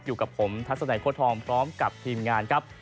อยู่กับผมทัศนัยโค้ทองพร้อมกับทีมงานครับ